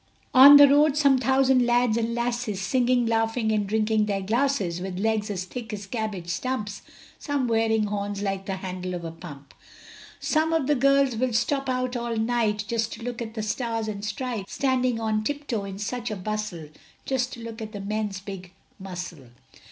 On the road some thousand lads and lasses, Singing, laughing and drinking their glasses, With legs as thick as cabbage stumps, Some wearing horns like the handle of a pump. Some of the girls will stop out all night, Just to look at the stars and stripes, Standing on tiptoe, in such a bustle, Just to look at the men's big muscle.